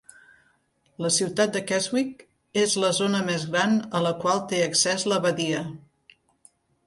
La ciutat de Keswick és la zona més gran a la qual té accés la badia.